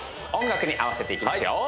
音楽に合わせていきますよ